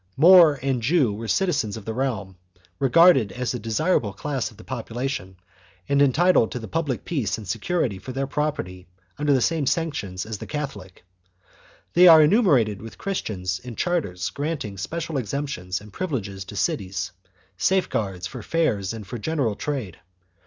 Moor and Jew were citizens of the realm, regarded as a desirable class of the population, and entitled to the public peace and security for their property under the same sanctions as the Catholic.4 They are enumerated with Christians in charters granting special exemptions and privileges to cities, safeguards for fairs and for general trade.